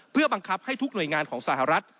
เพื่อบังคับให้ทุกหน่วยงานของสหรัฐ